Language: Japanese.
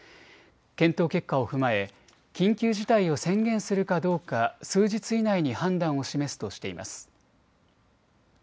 検討結果を踏まえ緊急事態を宣言するかどうか数日以内に判断を示すとしています。